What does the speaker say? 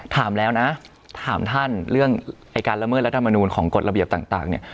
ถามแล้วนะถามท่านเรื่องไอ้การละเมิดรัฐมนูลของกฎระเบียบต่างเนี่ย